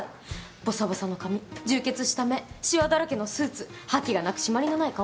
ぼさぼさの髪充血した目しわだらけのスーツ覇気がなく締まりのない顔。